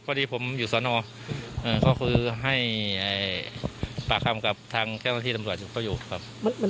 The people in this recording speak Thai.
พอดีผมอยู่สอนอก็คือให้ปากคำกับทางเจ้าหน้าที่ตำรวจก็อยู่ครับ